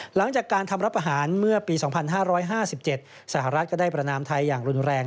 หลังจากการทำรับอาหารเมื่อปี๒๕๕๗สหรัฐก็ได้ประนามไทยอย่างรุนแรง